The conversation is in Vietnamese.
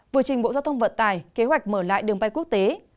vừa trình bộ giao thông vận tài kế hoạch mở lại đường bay quốc tế